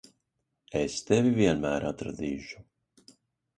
Es tevi vienmēr atradīšu.